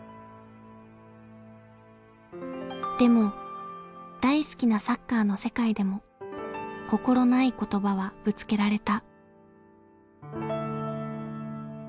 でも大好きなサッカーの世界でも心ない言葉はぶつけられた。